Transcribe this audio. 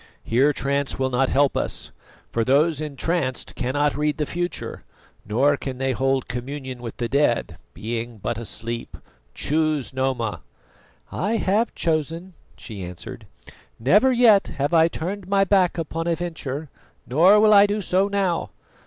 Here trance will not help us; for those entranced cannot read the future, nor can they hold communion with the dead, being but asleep. Choose, Noma." "I have chosen," she answered. "Never yet have I turned my back upon a venture, nor will I do so now.